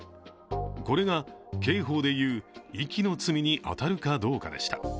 これが刑法で言う、遺棄の罪に当たるかどうかでした。